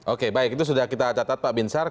oke baik itu sudah kita catat pak binsar